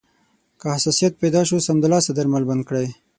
که حساسیت پیدا شو، سمدلاسه درمل بند کړئ.